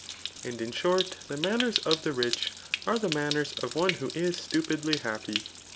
And in short, the manners of the rich are the manners of one who is stupidly happy.